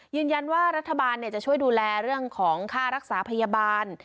ยืนยันว่ารัฐบาลจะช่วยดูแลเรื่องของค่ารักษาพยาบาล